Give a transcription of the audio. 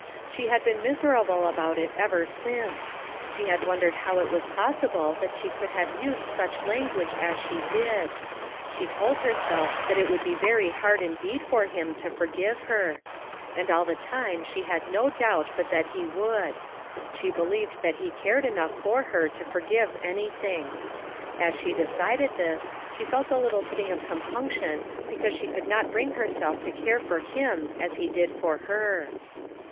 She had been miser able about it ever since ; she had wondered how it was possible that she could have used such language as she did; she told herself that it would be very hard indeed for him to forgive her; and all the time she had no doubt but that he would; she believed that he cared enough for her to forgive anything. As she decided this, she felt a little sting of compunction be cause she could not bring herself to care for him as he did for her.